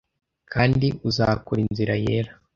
kandi uzakora inzira yera